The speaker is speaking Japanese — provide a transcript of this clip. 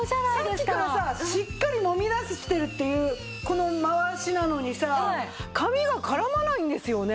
さっきからさしっかりもみ出してるっていうこの回しなのにさ髪が絡まないんですよね。